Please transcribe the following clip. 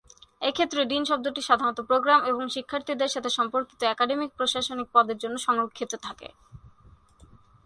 এক্ষেত্রে "ডিন" শব্দটি সাধারণত প্রোগ্রাম এবং শিক্ষার্থীদের সাথে সম্পর্কিত একাডেমিক প্রশাসনিক পদের জন্য সংরক্ষিত থাকে।